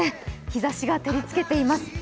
日ざしが照りつけています。